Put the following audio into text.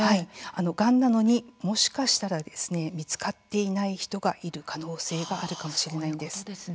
がんなのに、もしかしたら見つかっていない人がいる可能性があるんです。